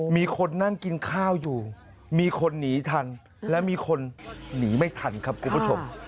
มีคนนั่งกินข้าวอยู่มีคนหนีทันและมีคนหนีไม่ทันครับคุณผู้ชม